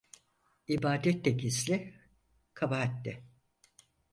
İbadet de gizli kabahat de.